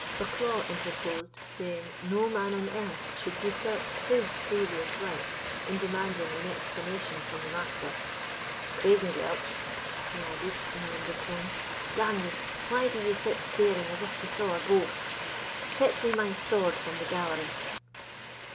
Bucklaw interposed, saying, "No man on earth should usurp his previous right in demanding an explanation from the Master. Craigengelt," he added, in an undertone, "d—n ye, why do you stand staring as if you saw a ghost? fetch me my sword from the gallery."